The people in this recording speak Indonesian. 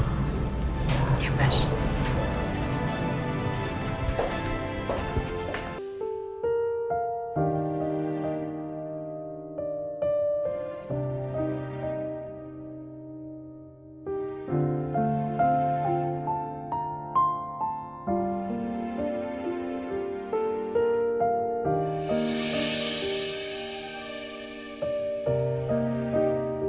masa itu udah berakhir